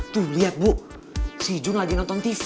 tuh lihat bu si jun lagi nonton tv